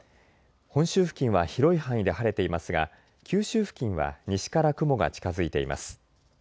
本州付近は広い範囲で晴れていますが九州付近は西から雲が近づいています。